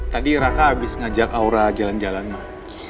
tadi raka abis ngajak aura jalan jalan mak